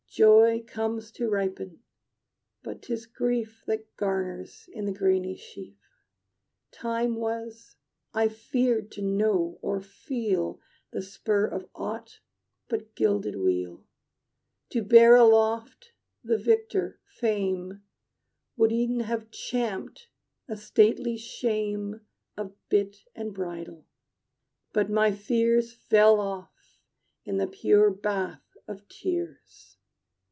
Joy comes to ripen; but 'tis Grief That garners in the grainy sheaf. Time was I feared to know or feel The spur of aught but gilded weal; To bear aloft the victor, Fame, Would ev'n have champed a stately shame Of bit and bridle. But my fears Fell off in the pure bath of tears.